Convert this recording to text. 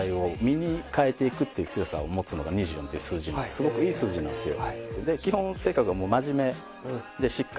すごくいい数字なんですよ。